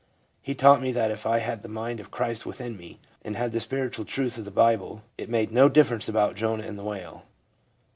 He taught me that if I had the mind of Christ within me, and had the spiritual truth of the Bible, it made no difference about Jonah and the whale.